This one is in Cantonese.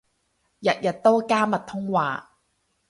日日都加密通話